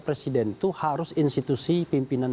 presiden itu harus institusi pimpinan